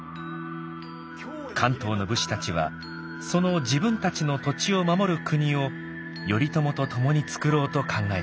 関東の武士たちはその自分たちの土地を守る国を頼朝と共に作ろうと考えたのです。